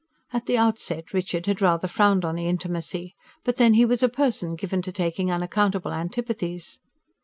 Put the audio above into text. At the outset Richard had rather frowned on the intimacy but then he was a person given to taking unaccountable antipathies.